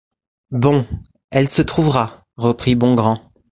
Bon ! elle se trouvera, reprit Bongrand.